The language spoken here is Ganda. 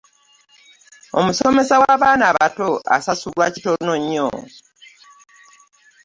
Omusomesa w'abaana abato asasulwa kitono nnyo